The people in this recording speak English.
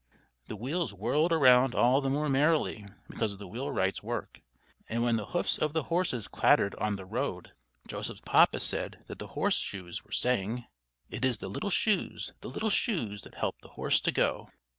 The wheels whirled around all the more merrily because of the wheelwright's work; and when the hoofs of the horses clattered on the road, Joseph's papa said that the horse shoes were saying: "It is the little shoes, the little shoes, that help the horse to go!"